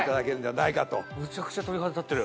むちゃくちゃ鳥肌立ってる。